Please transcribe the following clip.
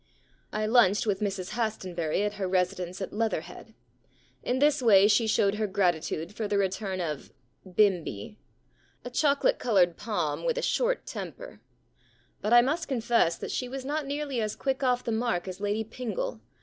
* I lunched with Mrs Hastonbury at her residence at Leatherhead. In this way she showed her gratitude for the return of Bimby "— a chocolate coloured Pom with a short temper. But I must confess that she was not nearly as quick off the mark as Lady Pingle.